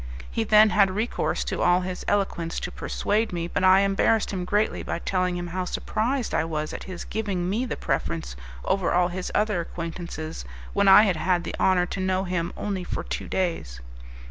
He then had recourse to all his eloquence to persuade me, but I embarrassed him greatly by telling him how surprised I was at his giving me the preference over all his other acquaintances, when I had had the honour to know him only for two days.